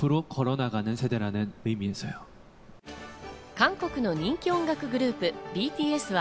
韓国の人気音楽グループ、ＢＴＳは